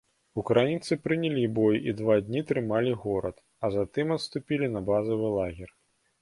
Украінцы прынялі бой і два дні трымалі горад, а затым адступілі на базавы лагер.